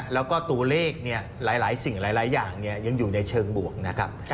แล้วก็ตัวเลขหลายสิ่งหลายอย่างยังอยู่ในเชิงบวกนะครับ